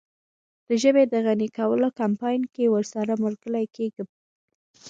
د ژبې د غني کولو کمپاین کې ورسره ملګری کیږم.